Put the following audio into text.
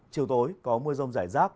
chiều tối có mưa rông rải rác